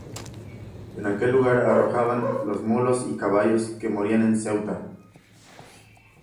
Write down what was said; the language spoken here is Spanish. En aquel lugar arrojaban los mulos y caballos que morían en Ceuta.